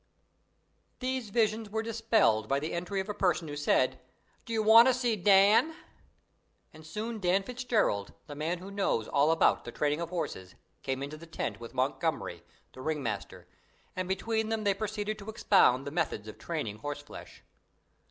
These visions were dispelled by the entry of a person who said, "D'ye want to see Dan?" and soon Dan Fitzgerald, the man who knows all about the training of horses, came into the tent with Montgomery, the ringmaster, and between them they proceeded to expound the methods of training horseflesh.